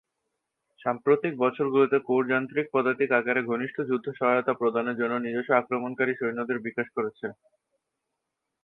সাম্প্রতিক বছরগুলিতে কোর যান্ত্রিক পদাতিক আকারে ঘনিষ্ঠ যুদ্ধ সহায়তা প্রদানের জন্য নিজস্ব আক্রমণকারী সৈন্যদের বিকাশ করেছে।